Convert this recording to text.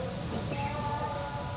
dan akan memiliki kesempatan lebih baik